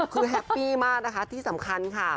คือแฮปปี้มากนะคะที่สำคัญค่ะ